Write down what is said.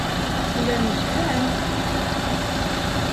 Llan lhan.